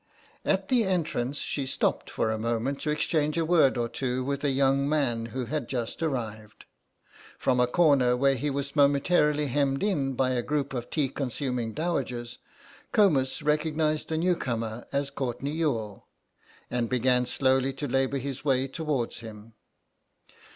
At the entrance she stopped for a moment to exchange a word or two with a young man who had just arrived. From a corner where he was momentarily hemmed in by a group of tea consuming dowagers, Comus recognised the newcomer as Courtenay Youghal, and began slowly to labour his way towards him.